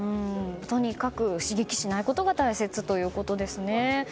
とにかく刺激しないことが大切ということですね。